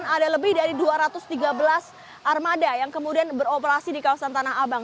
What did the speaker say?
ada lebih dari dua ratus tiga belas armada yang kemudian beroperasi di kawasan tanah abang